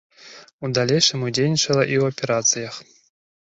У далейшым ўдзельнічала ў і аперацыях.